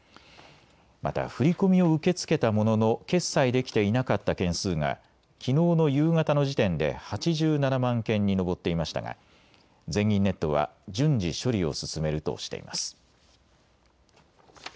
また振り込みを受け付けたものの決済できていなかった件数がきのうの夕方の時点で８７万件に上っていましたが全銀ネットは順次、処理を進めるとしています。